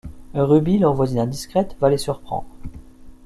Ruby, leur voisine indiscrète, va les surprendre.